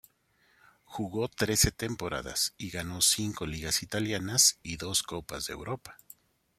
Jugó trece temporadas y ganó cinco ligas italianas y dos Copas de Europa.